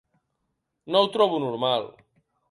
No ho trobo normal.